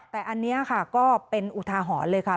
แต่อันนี้ค่ะก็เป็นอุทาหรณ์เลยค่ะ